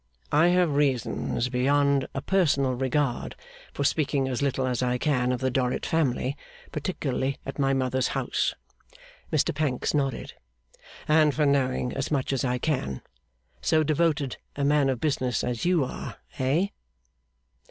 I have reasons beyond a personal regard for speaking as little as I can of the Dorrit family, particularly at my mother's house' (Mr Pancks nodded), 'and for knowing as much as I can. So devoted a man of business as you are eh?